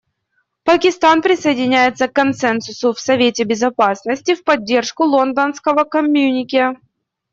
Пакистан присоединяется к консенсусу в Совете Безопасности в поддержку Лондонского коммюнике.